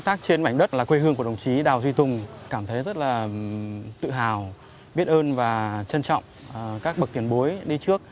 trên mảnh đất là quê hương của đồng chí đảo duy tùng cảm thấy rất là tự hào biết ơn và trân trọng các bậc kiển bối đi trước